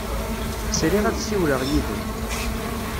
Sriɣ ad ssiwleɣ yid-m.